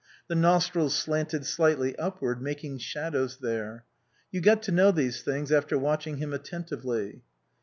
The nostrils slanted slightly upward, making shadows there. You got to know these things after watching him attentively.